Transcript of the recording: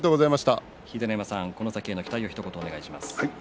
秀ノ山さん、この先への期待をお願いします。